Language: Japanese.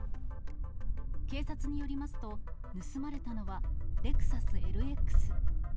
警察によりますと、盗まれたのは、レクサスＬＸ。